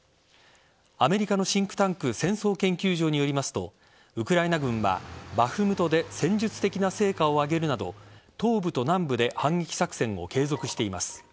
アメリカのシンクタンク戦争研究所によりますとウクライナ軍は、バフムトで戦術的な戦果を挙げるなど東部と南部で反撃作戦を継続しています。